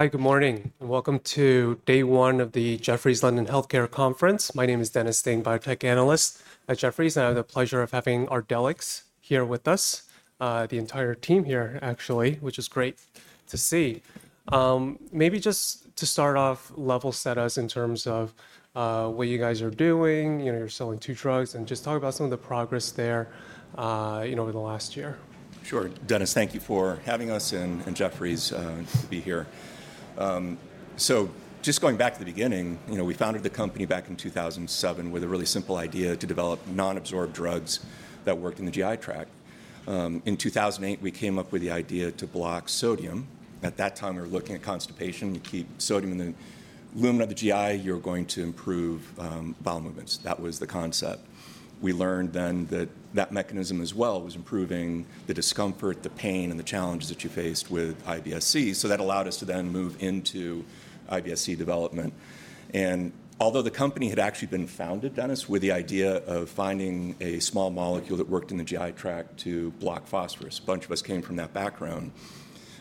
Hi, good morning, and welcome to day one of the Jefferies London Healthcare Conference. My name is Dennis Ding, biotech analyst at Jefferies, and I have the pleasure of having Ardelyx here with us, the entire team here, actually, which is great to see. Maybe just to start off, level set us in terms of what you guys are doing. You're selling two drugs, and just talk about some of the progress there over the last year. Sure. Dennis, thank you for having us and Jefferies to be here. So just going back to the beginning, we founded the company back in 2007 with a really simple idea to develop non-absorbed drugs that worked in the GI tract. In 2008, we came up with the idea to block sodium. At that time, we were looking at constipation. You keep sodium in the lumen of the GI, you're going to improve bowel movements. That was the concept. We learned then that that mechanism as well was improving the discomfort, the pain, and the challenges that you faced with IBS-C. So that allowed us to then move into IBS-C development. And although the company had actually been founded, Dennis, with the idea of finding a small molecule that worked in the GI tract to block phosphorus, a bunch of us came from that background.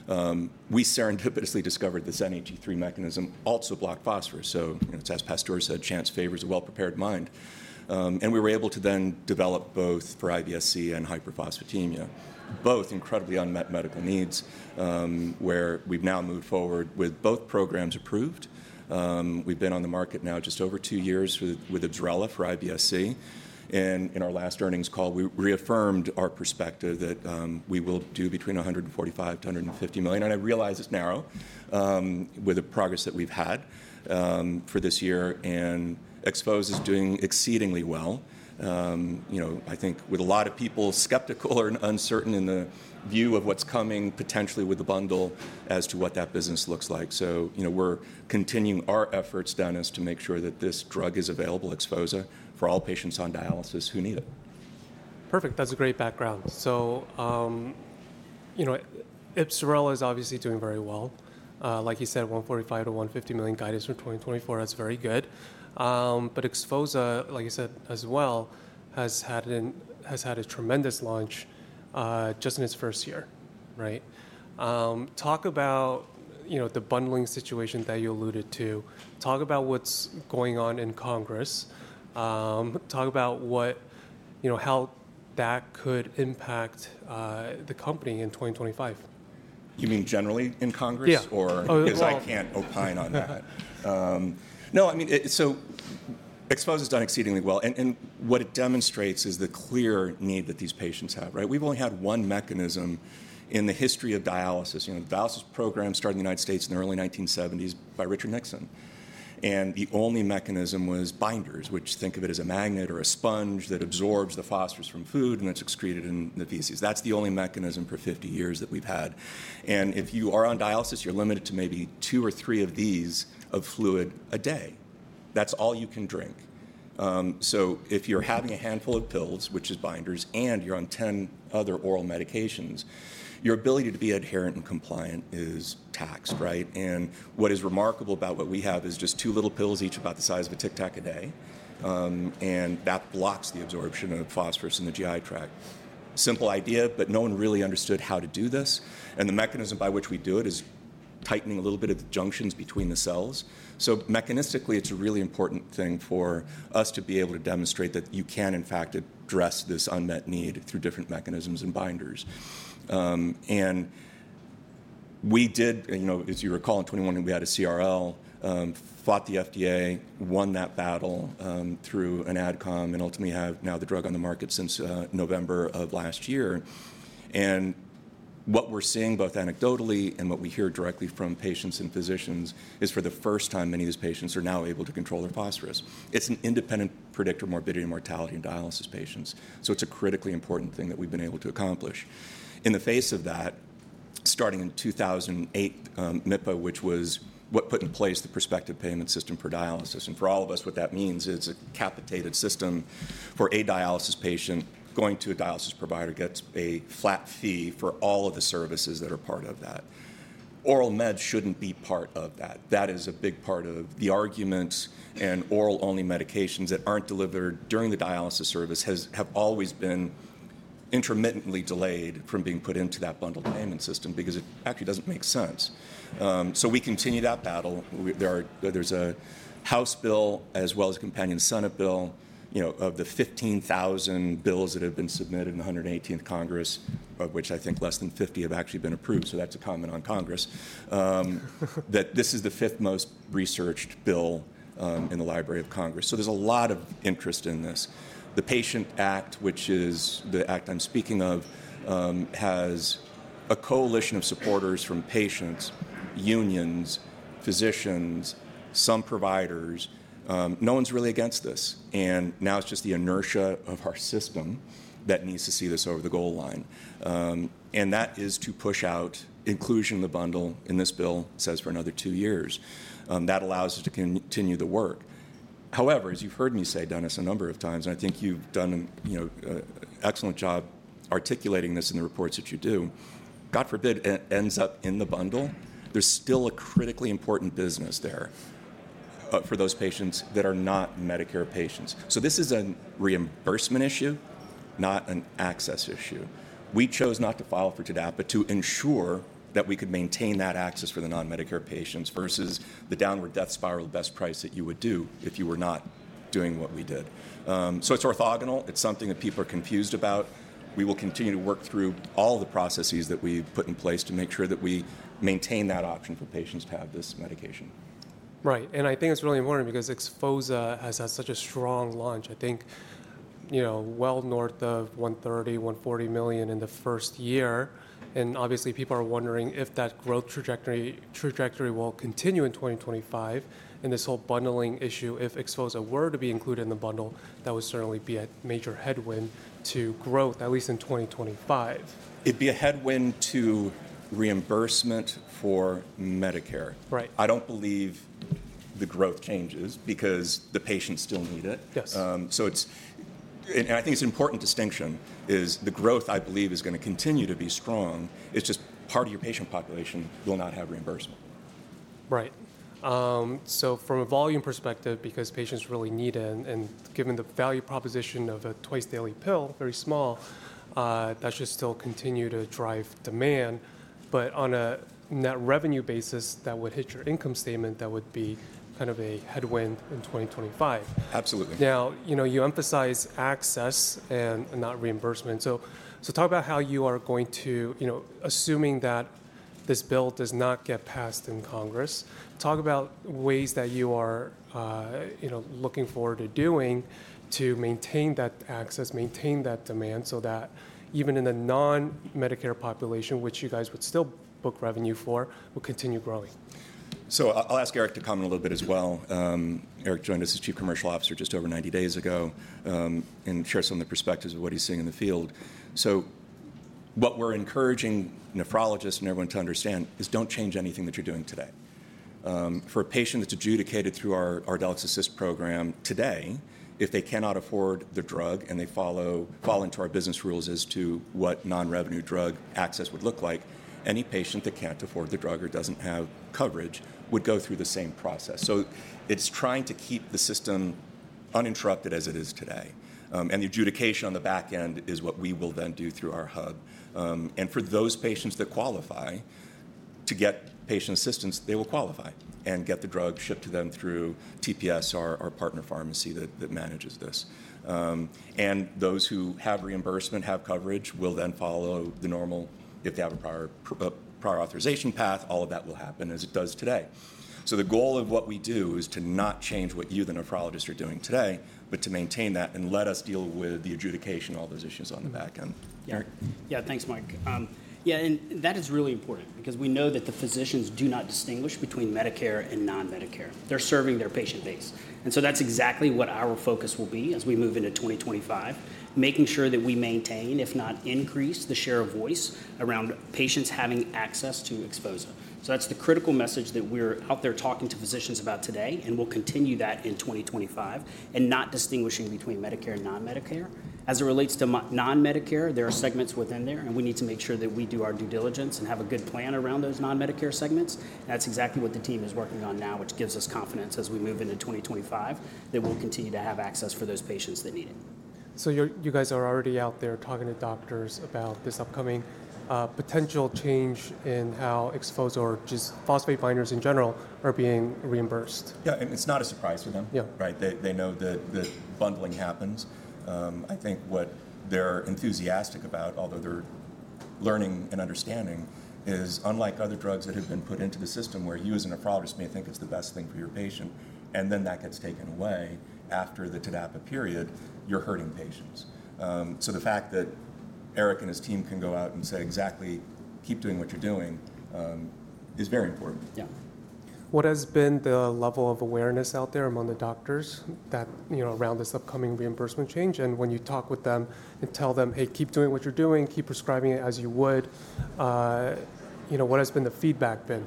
We serendipitously discovered the NHE3 mechanism also blocked phosphorus. So as Pasteur said, chance favors the prepared mind. And we were able to then develop both for IBS-C and hyperphosphatemia, both incredibly unmet medical needs where we've now moved forward with both programs approved. We've been on the market now just over two years with Ibsrela for IBS-C. And in our last earnings call, we reaffirmed our perspective that we will do between $145 million and $150 million. And I realize it's narrow with the progress that we've had for this year and Xphozah is doing exceedingly well. I think with a lot of people skeptical or uncertain in the view of what's coming potentially with the bundle as to what that business looks like. So we're continuing our efforts, Dennis, to make sure that this drug is available, Xphozah, for all patients on dialysis who need it. Perfect. That's a great background. So Ibsrela is obviously doing very well. Like you said, $145 million-$150 million guidance for 2024. That's very good. But Xphozah, like you said as well, has had a tremendous launch just in its first year. Talk about the bundling situation that you alluded to. Talk about what's going on in Congress. Talk about how that could impact the company in 2025. You mean generally in Congress? Yeah. Because I can't opine on that. No, I mean, so Xphozah's done exceedingly well. And what it demonstrates is the clear need that these patients have. We've only had one mechanism in the history of dialysis. Dialysis programs started in the United States in the early 1970s by Richard Nixon. And the only mechanism was binders, which think of it as a magnet or a sponge that absorbs the phosphorus from food and that's excreted in the feces. That's the only mechanism for 50 years that we've had. And if you are on dialysis, you're limited to maybe two or three liters of fluid a day. That's all you can drink. So if you're having a handful of pills, which is binders, and you're on 10 other oral medications, your ability to be adherent and compliant is taxed. What is remarkable about what we have is just two little pills, each about the size of a Tic Tac a day. That blocks the absorption of phosphorus in the GI tract. Simple idea, but no one really understood how to do this. The mechanism by which we do it is tightening a little bit of the junctions between the cells. Mechanistically, it is a really important thing for us to be able to demonstrate that you can, in fact, address this unmet need through different mechanisms and binders. We did, as you recall, in 2021, we had a CRL, fought the FDA, won that battle through an AdCom, and ultimately have now the drug on the market since November of last year. And what we're seeing both anecdotally and what we hear directly from patients and physicians is for the first time, many of these patients are now able to control their phosphorus. It's an independent predictor of morbidity, mortality, and dialysis patients. So it's a critically important thing that we've been able to accomplish. In the face of that, starting in 2008, MIPPA, which was what put in place the prospective payment system for dialysis. And for all of us, what that means is a capitated system for a dialysis patient going to a dialysis provider gets a flat fee for all of the services that are part of that. Oral meds shouldn't be part of that. That is a big part of the arguments. And oral-only medications that aren't delivered during the dialysis service have always been intermittently delayed from being put into that bundled payment system because it actually doesn't make sense. So we continue that battle. There's a House bill as well as a companion Senate bill of the 15,000 bills that have been submitted in the 118th Congress, of which I think less than 50 have actually been approved. So that's a comment on Congress that this is the fifth most researched bill in the Library of Congress. So there's a lot of interest in this. The Patient Act, which is the act I'm speaking of, has a coalition of supporters from patients, unions, physicians, some providers. No one's really against this. And now it's just the inertia of our system that needs to see this over the goal line. And that is to push out inclusion in the bundle in this bill, as is, for another two years. That allows us to continue the work. However, as you've heard me say, Dennis, a number of times, and I think you've done an excellent job articulating this in the reports that you do, God forbid it ends up in the bundle, there's still a critically important business there for those patients that are not Medicare patients. So this is a reimbursement issue, not an access issue. We chose not to file for TDAPA, but to ensure that we could maintain that access for the non-Medicare patients versus the downward death spiral best price that you would do if you were not doing what we did. So it's orthogonal. It's something that people are confused about. We will continue to work through all the processes that we put in place to make sure that we maintain that option for patients to have this medication. Right. And I think it's really important because XPHOZAH has had such a strong launch. I think well north of $130-$140 million in the first year. And obviously, people are wondering if that growth trajectory will continue in 2025. And this whole bundling issue, if XPHOZAH were to be included in the bundle, that would certainly be a major headwind to growth, at least in 2025. It'd be a headwind to reimbursement for Medicare. I don't believe the growth changes because the patients still need it, and I think it's an important distinction is the growth, I believe, is going to continue to be strong. It's just part of your patient population will not have reimbursement. Right. So from a volume perspective, because patients really need it, and given the value proposition of a twice daily pill, very small, that should still continue to drive demand. But on a net revenue basis, that would hit your income statement. That would be kind of a headwind in 2025. Absolutely. Now, you emphasize access and not reimbursement. So talk about how you are going to, assuming that this bill does not get passed in Congress, talk about ways that you are looking forward to doing to maintain that access, maintain that demand so that even in the non-Medicare population, which you guys would still book revenue for, will continue growing. So I'll ask Eric to comment a little bit as well. Eric joined us as Chief Commercial Officer just over 90 days ago and share some of the perspectives of what he's seeing in the field. So what we're encouraging nephrologists and everyone to understand is don't change anything that you're doing today. For a patient that's adjudicated through our Ardelyx Assist program today, if they cannot afford the drug and they fall into our business rules as to what non-revenue drug access would look like, any patient that can't afford the drug or doesn't have coverage would go through the same process. So it's trying to keep the system uninterrupted as it is today. And the adjudication on the back end is what we will then do through our hub. And for those patients that qualify to get patient assistance, they will qualify and get the drug shipped to them through TPS, our partner pharmacy that manages this. And those who have reimbursement, have coverage, will then follow the normal if they have a prior authorization path. All of that will happen as it does today. So the goal of what we do is to not change what you, the nephrologists, are doing today, but to maintain that and let us deal with the adjudication and all those issues on the back end. Yeah, thanks, Mike. Yeah, and that is really important because we know that the physicians do not distinguish between Medicare and non-Medicare. They're serving their patient base, and so that's exactly what our focus will be as we move into 2025, making sure that we maintain, if not increase, the share of voice around patients having access to XPHOZAH. That's the critical message that we're out there talking to physicians about today, and we'll continue that in 2025 and not distinguishing between Medicare and non-Medicare. As it relates to non-Medicare, there are segments within there, and we need to make sure that we do our due diligence and have a good plan around those non-Medicare segments. That's exactly what the team is working on now, which gives us confidence as we move into 2025 that we'll continue to have access for those patients that need it. You guys are already out there talking to doctors about this upcoming potential change in how Xphozah or just phosphate binders in general are being reimbursed. Yeah, and it's not a surprise for them. They know that the bundling happens. I think what they're enthusiastic about, although they're learning and understanding, is unlike other drugs that have been put into the system where you as a nephrologist may think it's the best thing for your patient, and then that gets taken away after the TDAPA period, you're hurting patients. So the fact that Eric and his team can go out and say exactly, keep doing what you're doing is very important. Yeah. What has been the level of awareness out there among the doctors around this upcoming reimbursement change? And when you talk with them and tell them, hey, keep doing what you're doing, keep prescribing it as you would, what has been the feedback been?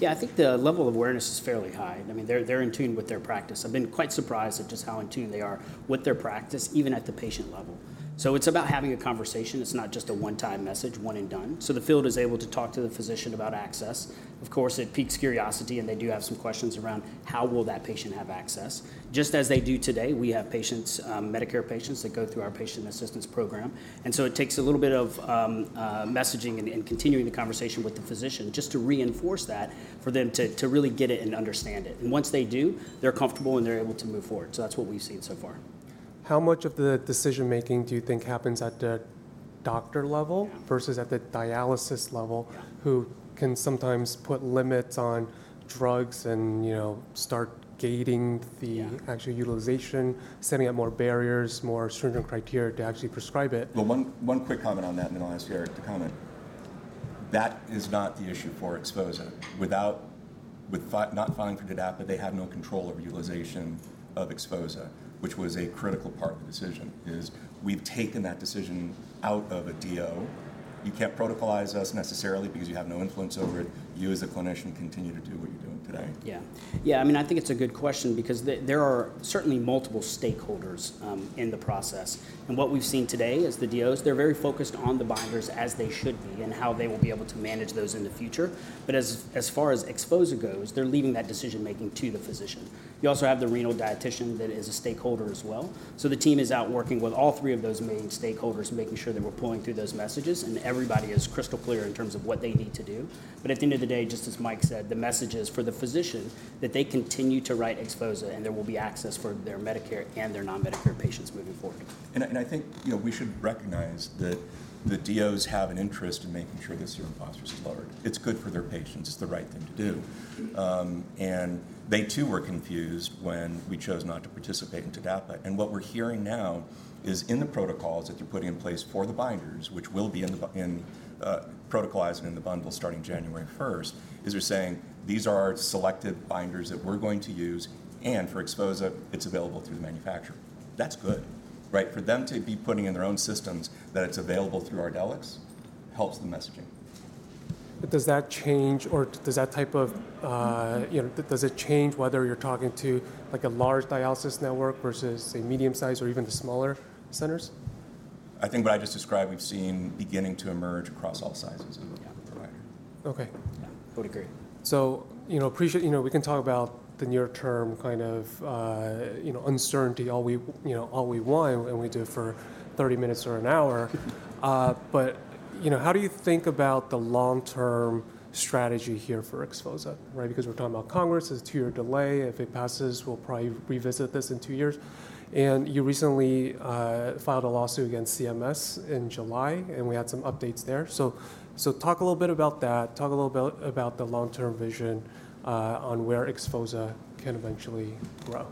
Yeah, I think the level of awareness is fairly high. I mean, they're in tune with their practice. I've been quite surprised at just how in tune they are with their practice, even at the patient level. So it's about having a conversation. It's not just a one-time message, one and done. So the field is able to talk to the physician about access. Of course, it piques curiosity, and they do have some questions around how will that patient have access. Just as they do today, we have patients, Medicare patients that go through our patient assistance program. And so it takes a little bit of messaging and continuing the conversation with the physician just to reinforce that for them to really get it and understand it. And once they do, they're comfortable and they're able to move forward. So that's what we've seen so far. How much of the decision-making do you think happens at the doctor level versus at the dialysis level, who can sometimes put limits on drugs and start gating the actual utilization, setting up more barriers, more stringent criteria to actually prescribe it? Well, one quick comment on that, and then I'll ask Eric to comment. That is not the issue for Xphozah. Without filing for TDAPA, they have no control over utilization of Xphozah, which was a critical part of the decision. We've taken that decision out of a DO. You can't protocolize us necessarily because you have no influence over it. You, as a clinician, continue to do what you're doing today. Yeah. Yeah, I mean, I think it's a good question because there are certainly multiple stakeholders in the process. And what we've seen today is the DOs, they're very focused on the binders as they should be and how they will be able to manage those in the future. But as far as Xphozah goes, they're leaving that decision-making to the physician. You also have the renal dietitian that is a stakeholder as well. So the team is out working with all three of those main stakeholders, making sure that we're pulling through those messages. And everybody is crystal clear in terms of what they need to do. But at the end of the day, just as Mike said, the message is for the physician that they continue to write Xphozah and there will be access for their Medicare and their non-Medicare patients moving forward. And I think we should recognize that the DOs have an interest in making sure that serum phosphorus is lowered. It's good for their patients. It's the right thing to do. And they too were confused when we chose not to participate in TDAPA. And what we're hearing now is in the protocols that they're putting in place for the binders, which will be protocolized and in the bundle starting January 1st, is they're saying, these are selected binders that we're going to use. And for Xphozah, it's available through the manufacturer. That's good. For them to be putting in their own systems that it's available through Ardelyx helps the messaging. Does it change whether you're talking to a large dialysis network versus a medium-sized or even smaller centers? I think what I just described, we've seen beginning to emerge across all sizes of providers. Yeah. Okay. Yeah, I would agree. So we can talk about the near-term kind of uncertainty all we want and we do it for 30 minutes or an hour. But how do you think about the long-term strategy here for Xphozah? Because we're talking about Congress, it's a two-year delay. If it passes, we'll probably revisit this in two years. And you recently filed a lawsuit against CMS in July, and we had some updates there. So talk a little bit about that. Talk a little bit about the long-term vision on where Xphozah can eventually grow.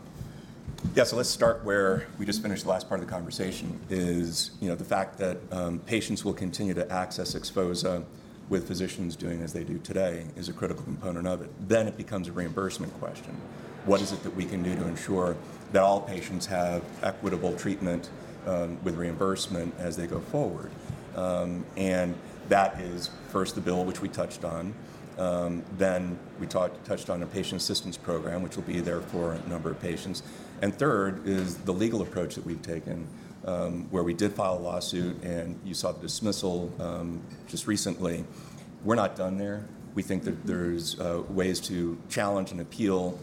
Yeah, so let's start where we just finished the last part of the conversation, is the fact that patients will continue to access Xphozah with physicians doing as they do today is a critical component of it, then it becomes a reimbursement question. What is it that we can do to ensure that all patients have equitable treatment with reimbursement as they go forward? and that is first the bill, which we touched on, then we touched on a patient assistance program, which will be there for a number of patients, and third is the legal approach that we've taken, where we did file a lawsuit and you saw the dismissal just recently, we're not done there. We think that there's ways to challenge and appeal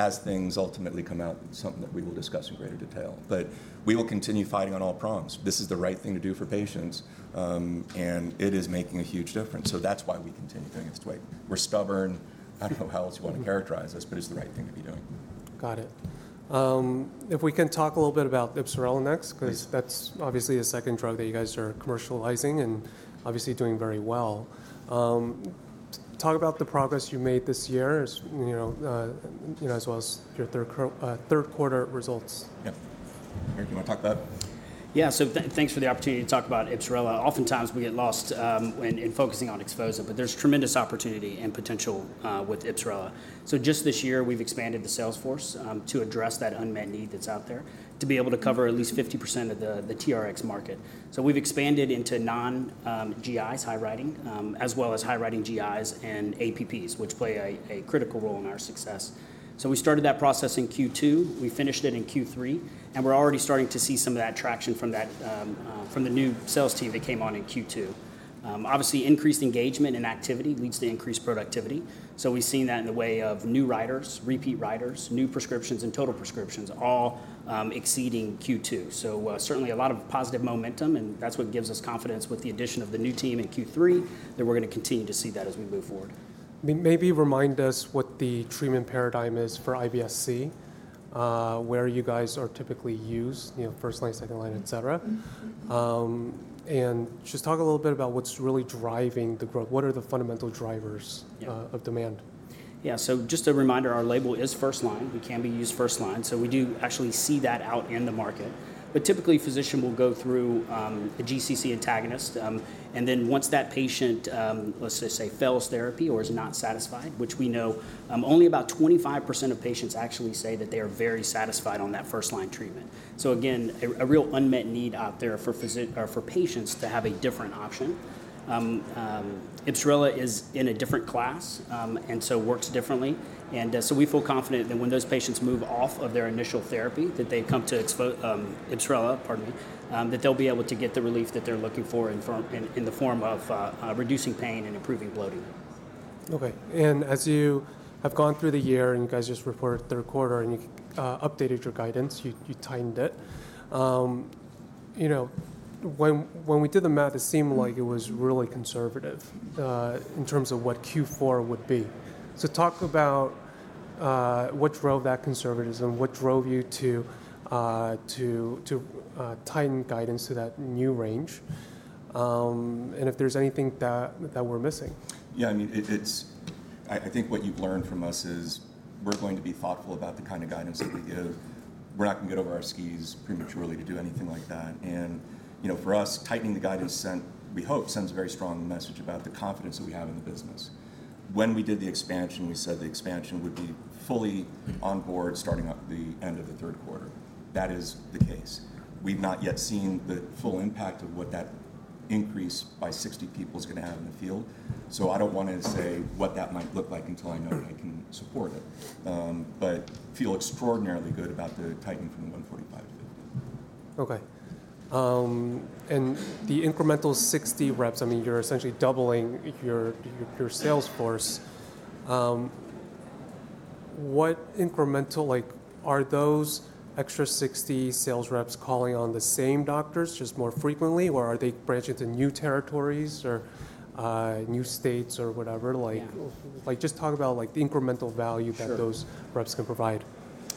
as things ultimately come out, something that we will discuss in greater detail, but we will continue fighting on all prongs. This is the right thing to do for patients, and it is making a huge difference. So that's why we continue doing it this way. We're stubborn. I don't know how else you want to characterize us, but it's the right thing to be doing. Got it. If we can talk a little bit about Ibsrela because that's obviously a second drug that you guys are commercializing and obviously doing very well. Talk about the progress you made this year as well as your third quarter results. Yeah. Eric, do you want to talk about it? Yeah, so thanks for the opportunity to talk about Ibsrela. Oftentimes, we get lost in focusing on Xphozah, but there's tremendous opportunity and potential with Ibsrela. So just this year, we've expanded the sales force to address that unmet need that's out there to be able to cover at least 50% of the TRx market. So we've expanded into non-GIs, high prescribing, as well as high prescribing GIs and APPs, which play a critical role in our success. So we started that process in Q2. We finished it in Q3, and we're already starting to see some of that traction from the new sales team that came on in Q2. Obviously, increased engagement and activity leads to increased productivity. So we've seen that in the way of new writers, repeat writers, new prescriptions, and total prescriptions all exceeding Q2. So certainly, a lot of positive momentum, and that's what gives us confidence with the addition of the new team in Q3 that we're going to continue to see that as we move forward. Maybe remind us what the treatment paradigm is for IBS-C, where you guys are typically used, first line, second line, etc. And just talk a little bit about what's really driving the growth. What are the fundamental drivers of demand? Yeah, so just a reminder, our label is first line. We can be used first line. So we do actually see that out in the market. But typically, a physician will go through a GC-C agonist. And then once that patient, let's just say, fails therapy or is not satisfied, which we know only about 25% of patients actually say that they are very satisfied on that first-line treatment. So again, a real unmet need out there for patients to have a different option. Ibsrela is in a different class and so works differently. And so we feel confident that when those patients move off of their initial therapy, that they've come to Ibsrela, pardon me, that they'll be able to get the relief that they're looking for in the form of reducing pain and improving bloating. Okay. And as you have gone through the year and you guys just reported third quarter and you updated your guidance, you timed it. When we did the math, it seemed like it was really conservative in terms of what Q4 would be. So talk about what drove that conservatism, what drove you to tighten guidance to that new range, and if there's anything that we're missing. Yeah, I mean, I think what you've learned from us is we're going to be thoughtful about the kind of guidance that we give. We're not going to get over our skis prematurely to do anything like that. And for us, tightening the guidance, we hope, sends a very strong message about the confidence that we have in the business. When we did the expansion, we said the expansion would be fully on board starting at the end of the third quarter. That is the case. We've not yet seen the full impact of what that increase by 60 people is going to have in the field. So I don't want to say what that might look like until I know that I can support it. But I feel extraordinarily good about the tightening from the 145 to 50. Okay. And the incremental 60 reps, I mean, you're essentially doubling your sales force. Are those extra 60 sales reps calling on the same doctors just more frequently, or are they branching to new territories or new states or whatever? Just talk about the incremental value that those reps can provide.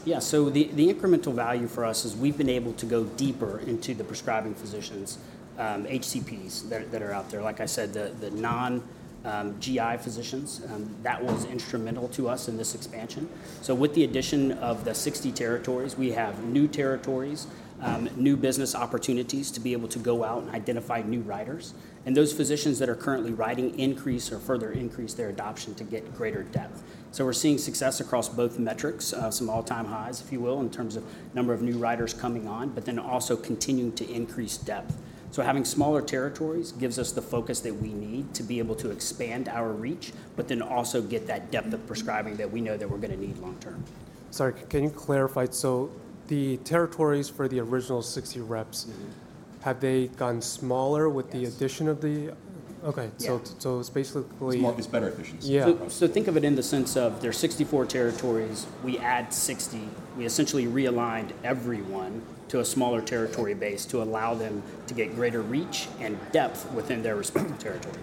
Yeah, so the incremental value for us is we've been able to go deeper into the prescribing physicians, HCPs that are out there. Like I said, the non-GI physicians, that was instrumental to us in this expansion. So with the addition of the 60 territories, we have new territories, new business opportunities to be able to go out and identify new writers. And those physicians that are currently writing increase or further increase their adoption to get greater depth. So we're seeing success across both metrics, some all-time highs, if you will, in terms of number of new writers coming on, but then also continuing to increase depth. So having smaller territories gives us the focus that we need to be able to expand our reach, but then also get that depth of prescribing that we know that we're going to need long-term. Sorry, can you clarify? So the territories for the original 60 reps, have they gotten smaller with the addition of the? Yeah. Okay. So it's basically. It's better efficient. Yeah. So think of it in the sense of there's 64 territories. We add 60. We essentially realigned everyone to a smaller territory base to allow them to get greater reach and depth within their respective territory.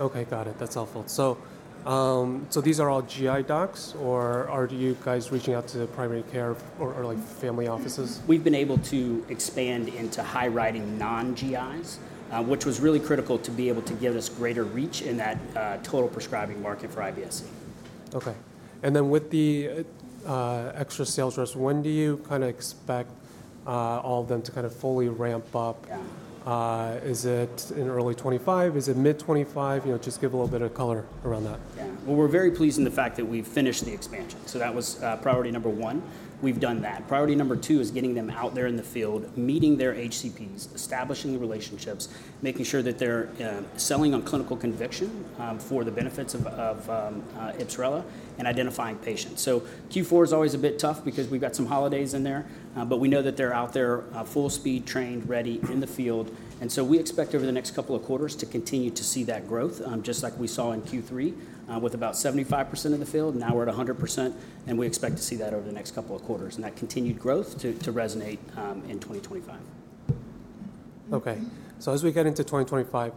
Okay. Got it. That's helpful. So these are all GI docs, or are you guys reaching out to the primary care or family offices? We've been able to expand into high prescribing non-GIs, which was really critical to be able to give us greater reach in that total prescribing market for IBS-C. Okay. And then with the extra sales reps, when do you kind of expect all of them to kind of fully ramp up? Is it in early 2025? Is it mid-2025? Just give a little bit of color around that. Yeah. Well, we're very pleased in the fact that we've finished the expansion. So that was priority number one. We've done that. Priority number two is getting them out there in the field, meeting their HCPs, establishing relationships, making sure that they're selling on clinical conviction for the benefits of Ibsrela, and identifying patients. So Q4 is always a bit tough because we've got some holidays in there, but we know that they're out there full-speed, trained, ready in the field. And so we expect over the next couple of quarters to continue to see that growth, just like we saw in Q3 with about 75% of the field. Now we're at 100%, and we expect to see that over the next couple of quarters and that continued growth to resonate in 2025. Okay. As we get into 2025,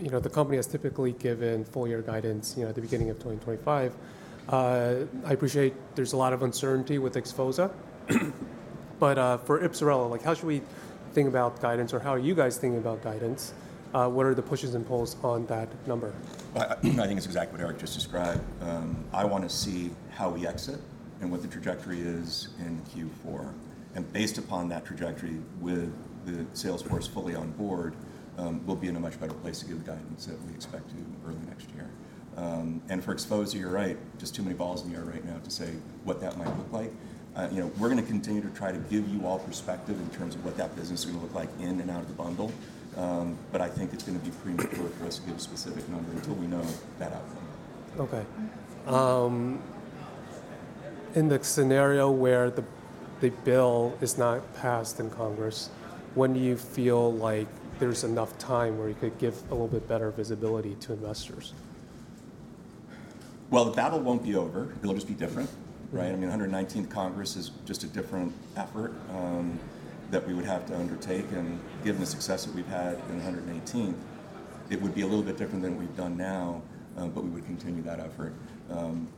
the company has typically given full-year guidance at the beginning of 2025. I appreciate there's a lot of uncertainty with Xphozah, but for Ibsrela, how should we think about guidance, or how are you guys thinking about guidance? What are the pushes and pulls on that number? I think it's exactly what Eric just described. I want to see how we exit and what the trajectory is in Q4. And based upon that trajectory, with the sales force fully on board, we'll be in a much better place to give the guidance that we expect to early next year. And for Xphozah, you're right, just too many balls in the air right now to say what that might look like. We're going to continue to try to give you all perspective in terms of what that business is going to look like in and out of the bundle. But I think it's going to be premature for us to give a specific number until we know that outcome. Okay. In the scenario where the bill is not passed in Congress, when do you feel like there's enough time where you could give a little bit better visibility to investors? The battle won't be over. It'll just be different. I mean, 119th Congress is just a different effort that we would have to undertake. Given the success that we've had in 118th, it would be a little bit different than we've done now, but we would continue that effort.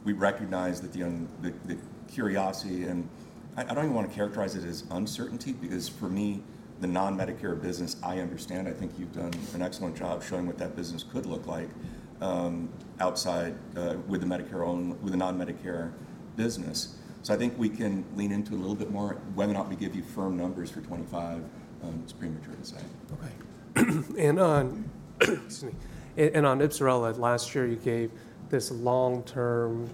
We recognize that the curiosity and I don't even want to characterize it as uncertainty because for me, the non-Medicare business, I understand. I think you've done an excellent job showing what that business could look like outside with the non-Medicare business. I think we can lean into a little bit more whether or not we give you firm numbers for 2025. It's premature to say. Okay. And on Ibsrela, last year, you gave this long-term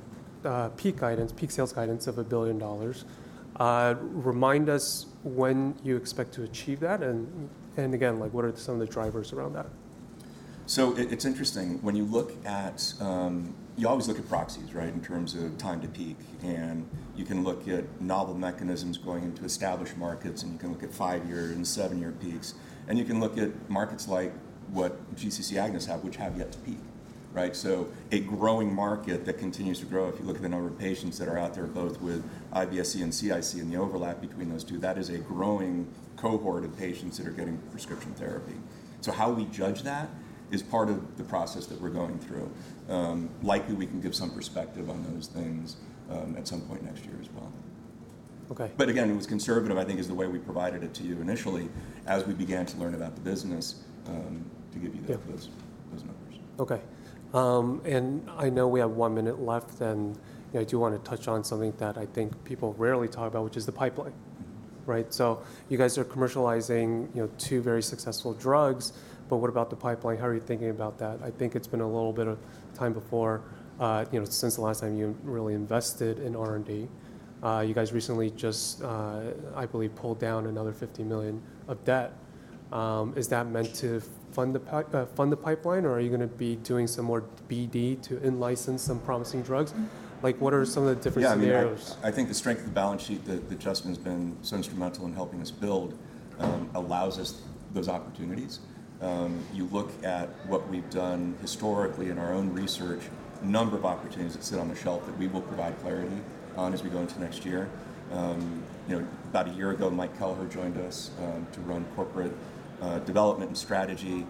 peak sales guidance of $1 billion. Remind us when you expect to achieve that. And again, what are some of the drivers around that? It's interesting. When you always look at proxies in terms of time to peak, and you can look at novel mechanisms going into established markets, and you can look at five-year and seven-year peaks, and you can look at markets like what GC-C agonists have, which have yet to peak. A growing market that continues to grow. If you look at the number of patients that are out there, both with IBS-C and CIC, and the overlap between those two, that is a growing cohort of patients that are getting prescription therapy. How we judge that is part of the process that we're going through. Likely, we can give some perspective on those things at some point next year as well. But again, it was conservative, I think, is the way we provided it to you initially as we began to learn about the business to give you those numbers. Okay. And I know we have one minute left, and I do want to touch on something that I think people rarely talk about, which is the pipeline. So you guys are commercializing two very successful drugs, but what about the pipeline? How are you thinking about that? I think it's been a little bit of time before since the last time you really invested in R&D. You guys recently just, I believe, pulled down another $50 million of debt. Is that meant to fund the pipeline, or are you going to be doing some more BD to in-license some promising drugs? What are some of the different scenarios? Yeah. I think the strength of the balance sheet that Justin has been so instrumental in helping us build allows us those opportunities. You look at what we've done historically in our own research, a number of opportunities that sit on the shelf that we will provide clarity on as we go into next year. About a year ago, Mike Kelleher joined us to run corporate development and strategy.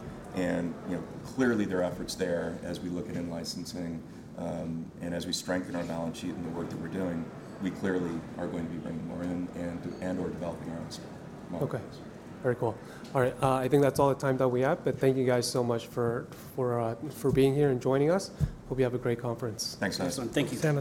Clearly, there are efforts there as we look at in-licensing. As we strengthen our balance sheet and the work that we're doing, we clearly are going to be bringing more in and/or developing our own markets. Okay. Very cool. All right. I think that's all the time that we have, but thank you guys so much for being here and joining us. Hope you have a great conference. Thanks, guys. Thank you.